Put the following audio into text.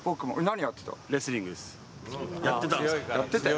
何やってたんですか？